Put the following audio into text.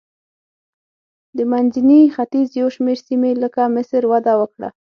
د منځني ختیځ یو شمېر سیمې لکه مصر وده وکړه.